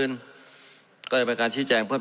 นะครับ